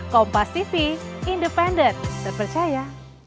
kompas tv independen terpercaya